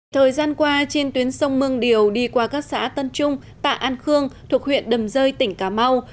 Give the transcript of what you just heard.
thời gian qua trên tuyến sông mương điều đi qua các xã tân trung tạ an khương thuộc huyện đầm rơi tỉnh cà mau